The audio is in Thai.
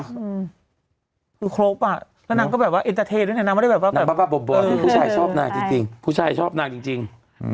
ทุกครบอ่ะแล้านางก็แบบว่านางไม่ใช่แบบปะปะบบอผู้ชายชอบนางจริง